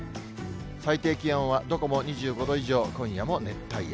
最低気温はどこも２５度以上、今夜も熱帯夜。